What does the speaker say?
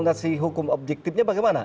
argumen kasih hukum objektifnya bagaimana